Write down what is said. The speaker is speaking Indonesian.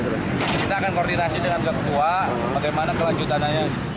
kita akan koordinasi dengan kedua bagaimana kelanjutanannya